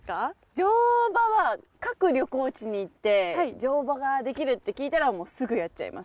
乗馬は各旅行地に行って乗馬ができるって聞いたらすぐやっちゃいます。